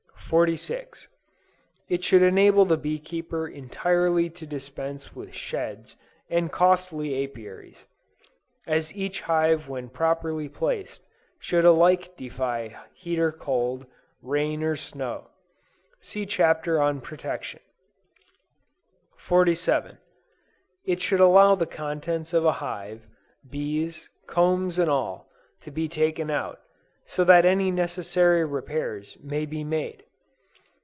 46. It should enable the bee keeper entirely to dispense with sheds, and costly Apiaries; as each hive when properly placed, should alike defy, heat or cold, rain or snow. (See Chapter on Protection.) 47. It should allow the contents of a hive, bees, combs and all, to be taken out; so that any necessary repairs may be made.